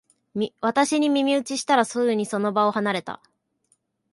私に耳打ちしたら、すぐにその場を離れた